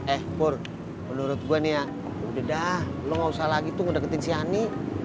eh pur menurut gue nih ya udah dah lo gak usah lagi tuh ngedeketin si ani